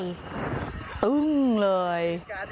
ตึ้งเลย